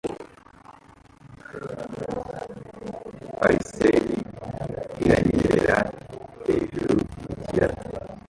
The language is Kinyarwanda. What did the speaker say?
Parasailer iranyerera hejuru yikiyaga